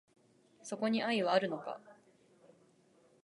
そこに愛はあるのか